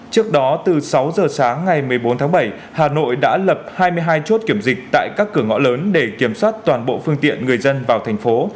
trước đó từ sáu giờ sáng ngày một mươi bốn tháng bảy hà nội đã lập hai mươi hai chốt kiểm dịch tại các cửa ngõ lớn để kiểm soát toàn bộ phương tiện người dân vào thành phố